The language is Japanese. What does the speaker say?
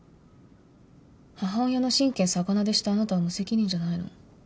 母親の神経逆なでしたあなたは無責任じゃないの？